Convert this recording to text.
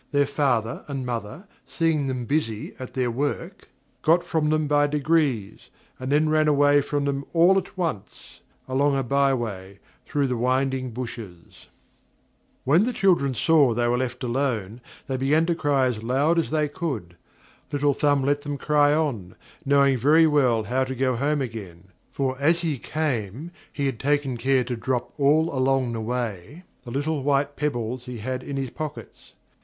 Their father and mother seeing them busy at their work, got from them by degrees, and then ran away from them all at once, along a by way, thro' the winding bushes. [Illustration: "HE BROUGHT THEM HOME BY THE VERY SAME WAY THEY CAME"] When the children saw they were left alone, they began to cry as loud as they could. Little Thumb let them cry on, knowing very well how to go home again; for as he came he had taken care to drop all along the way the little white pebbles he had in his pockets.